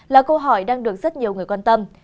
là câu hỏi đang được rất nhiều người quan tâm